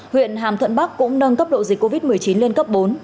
huyện hàm thuận bắc cũng nâng cấp độ dịch covid một mươi chín lên cấp bốn